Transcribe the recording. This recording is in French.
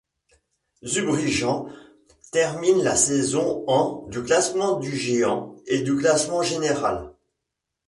Zurbriggen termine la saison en du classement du géant et du classement général.